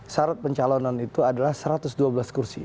syarat pencalonan itu adalah satu ratus dua belas kursi